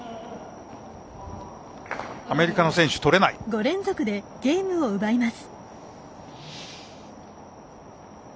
５連続でゲームを奪います。